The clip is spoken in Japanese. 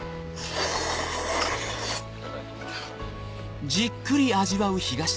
はい。